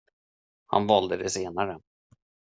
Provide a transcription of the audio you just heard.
Han valde det senare.